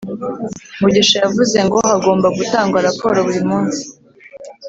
Mugisha yavuze ngo hagomba gutangwa raporo burimunsi